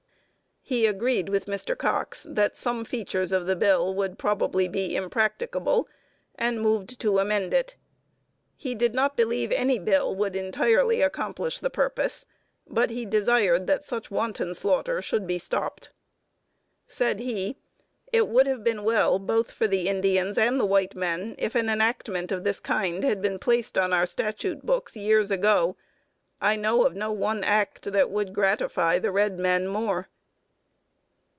He agreed with Mr. Cox that some features of the bill would probably be impracticable, and moved to amend it. He did not believe any bill would entirely accomplish the purpose, but he desired that such wanton slaughter should be stopped. Said he, "It would have been well both for the Indians and the white men if an enactment of this kind had been placed on our statute books years ago. I know of no one act that would gratify the red men more."